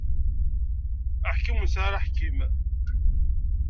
Aḥkim ur nesεi aḥkim.